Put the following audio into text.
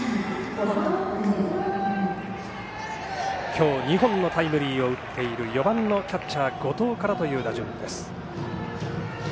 今日、２本のタイムリーを打っている４番のキャッチャー後藤からという打順です。